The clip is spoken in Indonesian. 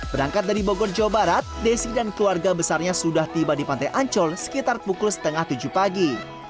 berangkat dari bogor jawa barat desi dan keluarga besarnya sudah tiba di pantai ancol sekitar pukul setengah tujuh pagi